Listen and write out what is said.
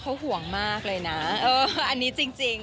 พ่อเขาห่วงมากเลยนะอันนี้จริง